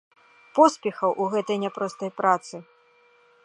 Поспехаў у гэтай няпростай працы!